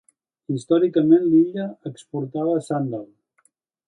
Històricament, l'illa exportava sàndal.